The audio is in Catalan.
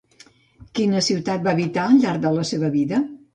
Quina ciutat va habitar al llarg de la seva vida?